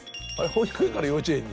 保育園から幼稚園に？